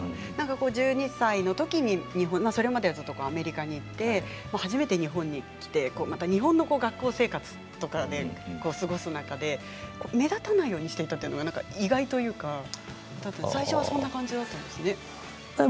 １２歳のときに日本それまではアメリカにいて初めて日本に来て日本の学校生活とかで過ごす中で目立たないようにしていたというのは意外というか最初はそんな感じだったんですね。